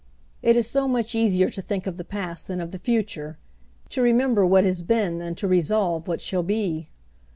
It is so much easier to think of the past than of the future, to remember what has been than to resolve what shall be!